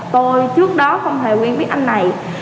tôi trước đó không hề quen biết anh này